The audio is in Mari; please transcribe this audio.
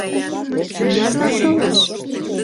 — Мынярлан толеш?